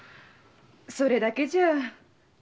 それだけじゃ。